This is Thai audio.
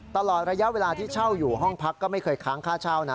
ตลอดระยะเวลาที่เช่าอยู่ห้องพักก็ไม่เคยค้างค่าเช่านะ